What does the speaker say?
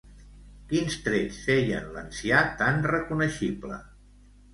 Quins trets feien l'ancià tan reconeixible?